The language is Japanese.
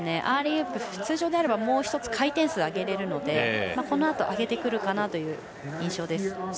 アーリーウープ通常であれば、もう１つ回転数を上げられるのでこのあと上げてくるかなという印象です。